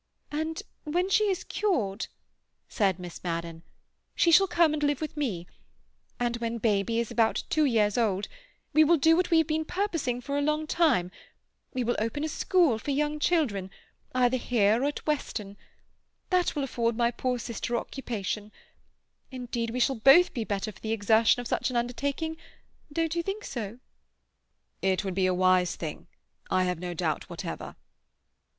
"And when she is cured," said Miss Madden, "she shall come and live with me. And when baby is about two years old we will do what we have been purposing for a long time. We will open a school for young children, either here or at Weston. That will afford my poor sister occupation. Indeed, we shall both be better for the exertion of such an undertaking—don't you think so?" "It would be a wise thing, I have no doubt whatever."